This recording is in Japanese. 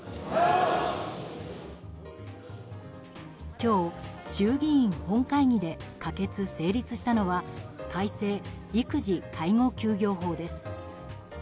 今日、衆議院本会議で可決・成立したのは改正育児・介護休業法です。